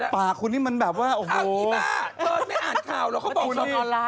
ปากคุณนี่มันแบบว่าโอ้โหอ้าวอีบ้า